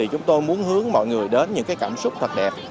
chúng tôi muốn hướng mọi người đến những cảm xúc thật đẹp